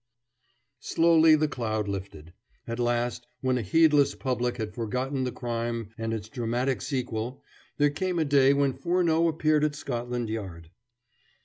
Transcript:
Slowly the cloud lifted. At last, when a heedless public had forgotten the crime and its dramatic sequel, there came a day when Furneaux appeared at Scotland Yard.